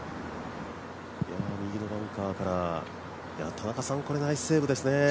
右のバンカーからナイスセーブですね。